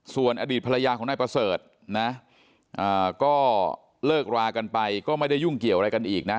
ส่วนอดีตภรรยาของนายประเสริฐนะก็เลิกรากันไปก็ไม่ได้ยุ่งเกี่ยวอะไรกันอีกนะ